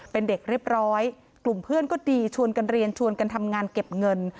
เป็นเด็กเรียบร้อยกลุ่มเพื่อนก็ดีชวนกันเรียนชวนกันทำงานเก็บเงิน